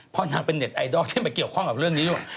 เพราะนางเป็นเน็ตไอดอลที่มาเกี่ยวข้องกับเรื่องนี้อยู่